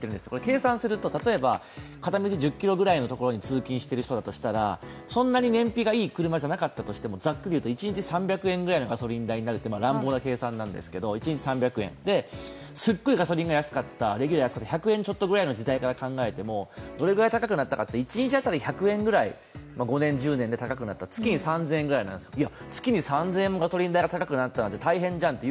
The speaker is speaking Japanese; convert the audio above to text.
計算すると、例えば片道１０ｋｍぐらいのところに通勤している人だとしたら、そんなに燃費がいい車じゃなかったとしても、ざっくり言うと１日３００円ぐらいの計算になると一日３００円、すっごいガソリンが安かった、レギュラーが安かった１００円ちょっとぐらいの時代から考えても、どれぐらい高くなったかというと、１リットル当たり５００円ぐらい月に３０００円ぐらいいや月に３０００円もガソリンが高くなったとしたらめっちゃ大変じゃんと。